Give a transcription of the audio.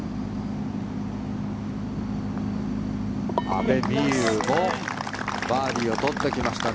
阿部未悠もバーディーを取ってきました。